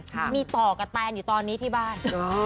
มีต่อกับแตนอยู่ตอนนี้ที่บ้าน